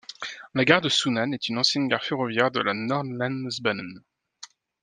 La gare de Sunnan est une ancienne gare ferroviaire de la Nordlandsbanen.